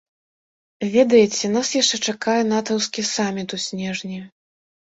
Ведаеце, нас яшчэ чакае натаўскі саміт у снежні.